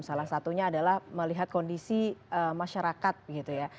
salah satunya adalah melihat kondisi masyarakat gitu ya